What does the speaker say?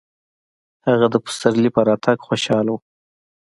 هغه د پسرلي په راتګ خوشحاله و.